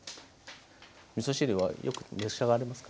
みそ汁はよく召し上がりますか？